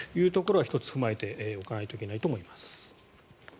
１つ踏まえておかないといけないと思います。